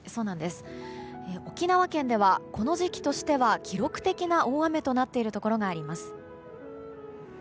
沖縄県では、この時期としては記録的な大雨となっているところがあります。